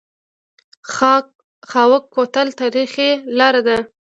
خاوک کوتل تاریخي لاره ده؟